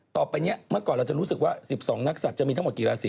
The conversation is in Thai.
ต่อไปนี้เมื่อก่อนเราจะรู้สึกว่า๑๒นักศัตว์จะมีทั้งหมดกี่ราศี